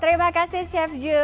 terima kasih chef jun